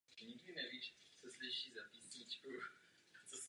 Měli jediné dítě dceru Marii.